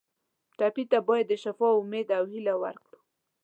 ټپي ته باید د شفا امید او هیله ورکړو.